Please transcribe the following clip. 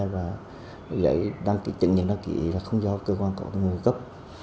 và giấy đăng ký chứng nhận đăng ký không do cơ quan cộng đồng người cấp